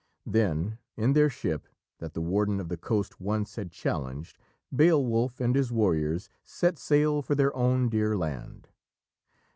Then, in their ship, that the Warden of the Coast once had challenged, Beowulf and his warriors set sail for their own dear land.